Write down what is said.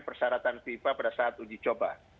persyaratan fifa pada saat uji coba